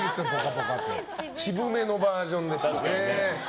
渋めのバージョンでしたね。